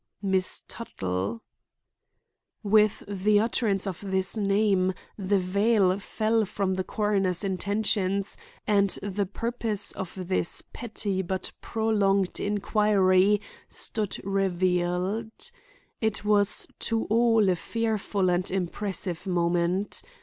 "Miss Tuttle." With the utterance of this name the veil fell from the coroner's intentions and the purpose of this petty but prolonged inquiry stood revealed. It was to all a fearful and impressive moment.